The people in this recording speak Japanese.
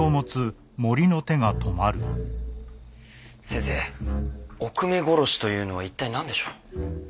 先生おくめ殺しというのは一体何でしょう？